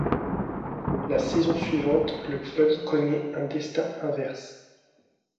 La saison suivante, le club connaît un destin inverse.